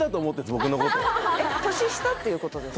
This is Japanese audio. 僕のことを年下っていうことですか？